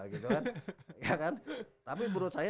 tapi menurut saya permasalahannya bukan ptnya punya